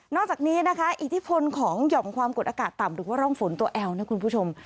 จากนี้นะคะอิทธิพลของหย่อมความกดอากาศต่ำหรือว่าร่องฝนตัวแอลนะคุณผู้ชม